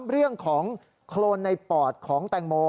เรื่องของโครนในปอดของแตงโม